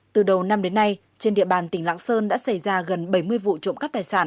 từ đầu năm đến nay trên địa bàn tỉnh lạng sơn đã xảy ra gần bảy mươi vụ trộm cắp tài sản